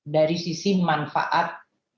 dari sisi manfaat